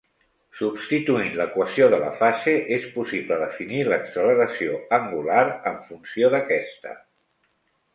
Substituint l'equació de la fase és possible definir l'acceleració angular en funció d'aquesta.